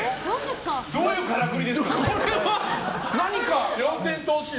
どういうからくりですか？